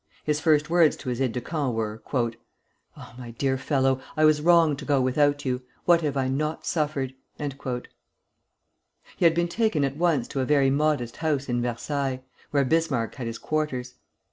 His first words to his aide de camp were: "Oh, my dear fellow, I was wrong to go without you. What have I not suffered?" He had been taken at once to a very modest house in Versailles, where Bismarck had his quarters.